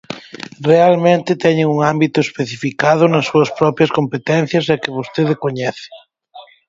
Realmente teñen un ámbito especificado nas súas propias competencias e que vostede coñece.